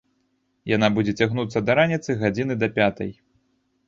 Яна будзе цягнуцца да раніцы, гадзіны да пятай.